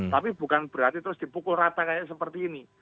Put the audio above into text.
tapi bukan berarti terus dipukul rata kayak seperti ini